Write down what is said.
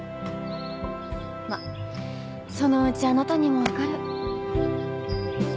まあそのうちあなたにもわかる。